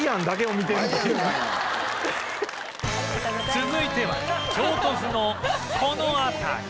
続いては京都府のこの辺り